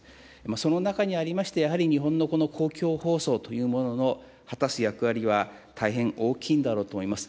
その中にありまして、やはり日本のこの公共放送というものの果たす役割は、大変大きいんだろうと思います。